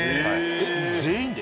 えっ全員で？